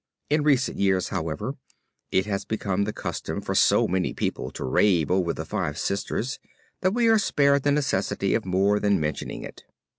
In recent years, however, it has become the custom for so many people to rave over the Five Sisters that we are spared the necessity of more than mentioning it.